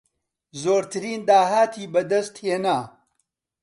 زۆرترین داهاتی بەدەستهێنا